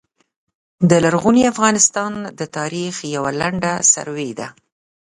د لرغوني افغانستان د تاریخ یوع لنډه سروې ده